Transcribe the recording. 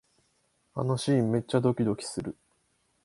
あのシーン、めっちゃドキドキする